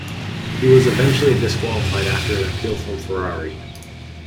He was eventually disqualified after an appeal from Ferrari.